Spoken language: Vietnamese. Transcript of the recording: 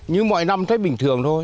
như mọi năm thấy bình thường thôi